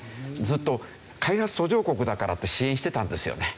ずっと開発途上国だからって支援してたんですよね。